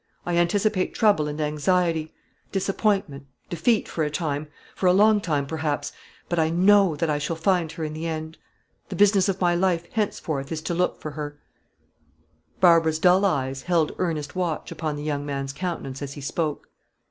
I anticipate trouble and anxiety, disappointment, defeat for a time, for a long time, perhaps; but I know that I shall find her in the end. The business of my life henceforth is to look for her." Barbara's dull eyes held earnest watch upon the young man's countenance as he spoke.